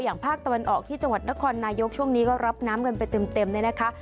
ภาคตะวันออกที่จังหวัดนครนายกช่วงนี้ก็รับน้ำกันไปเต็มเลยนะคะ